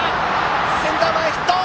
センター前ヒット！